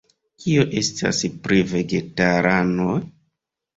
Kio estas pri vegetaranoj?